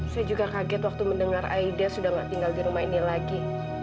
saya juga kaget waktu mendengar aidia sudah tidak tinggal di rumah ini lagi